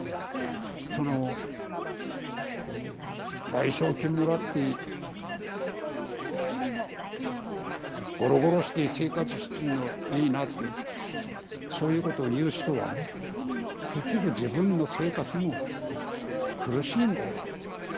その「賠償金もらってごろごろして生活してんのいいな」ってそういうことを言う人はね結局自分の生活も苦しいんだよ。